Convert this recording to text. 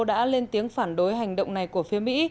đã lên tiếng phản đối hành động này của phía mỹ